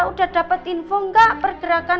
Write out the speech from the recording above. udah dapet info gak pergerakan